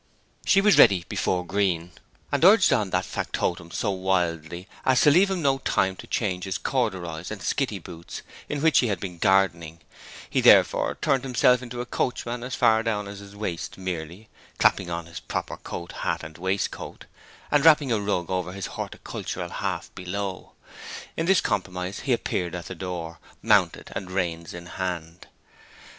She was ready before Green, and urged on that factotum so wildly as to leave him no time to change his corduroys and 'skitty boots' in which he had been gardening; he therefore turned himself into a coachman as far down as his waist merely clapping on his proper coat, hat, and waistcoat, and wrapping a rug over his horticultural half below. In this compromise he appeared at the door, mounted, and reins in hand.